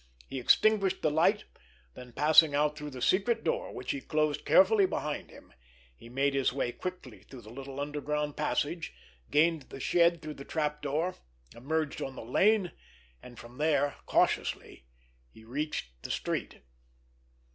He extinguished the light; then passing out through the secret door, which he closed carefully behind him, he made his way quickly through the little underground passage, gained the shed through the trap door, emerged on the lane, and from there, cautiously, he reached the street.